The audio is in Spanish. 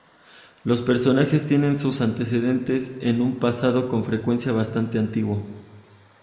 Los personajes tienen sus antecedentes en un pasado con frecuencia bastante antiguo.